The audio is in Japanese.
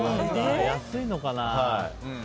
安いのかな。